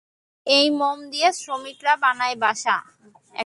এ মোম দিয়ে শ্রমিকেরা বানায় বাসা।